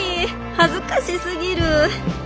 恥ずかしすぎる！